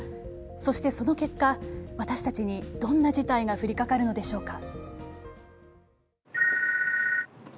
そして、その結果私たちに、どんな事態が降りかかるのでしょうか。